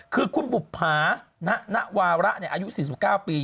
คือคุณบุภาณวาระอายุ๔๙ปี